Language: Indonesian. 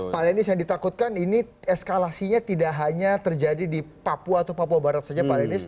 pak lenis yang ditakutkan ini eskalasinya tidak hanya terjadi di papua atau papua barat saja pak lenis